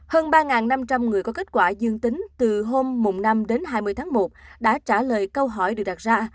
hơn ba năm trăm linh người có kết quả dương tính từ hôm năm đến hai mươi tháng một đã trả lời câu hỏi được đặt ra